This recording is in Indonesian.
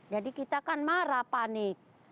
jadi kita kan marah panik